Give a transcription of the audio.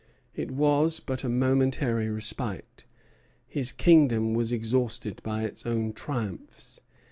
It was but a momentary respite. His kingdom was exhausted by its own triumphs.